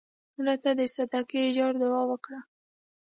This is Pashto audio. مړه ته د صدقې جار دعا وکړه